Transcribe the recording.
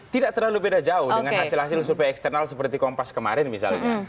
tidak terlalu beda jauh dengan hasil hasil survei eksternal seperti kompas kemarin misalnya